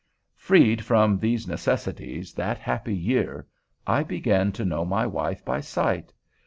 Freed from these necessities, that happy year, I began to know my wife by sight.